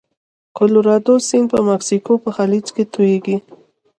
کلورادو سیند په مکسیکو په خلیج کې تویږي.